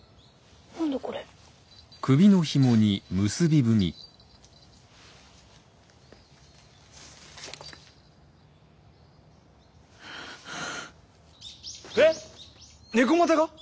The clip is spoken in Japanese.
何だこれ？えっ！猫又が！？